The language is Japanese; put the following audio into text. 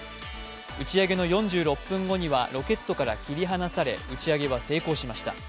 打ち上げの４６分後には、ロケットから切り離され打ち上げは成功しました。